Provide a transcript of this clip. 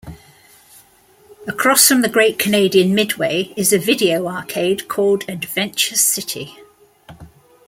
Across from the Great Canadian Midway is a video arcade called Adventure City.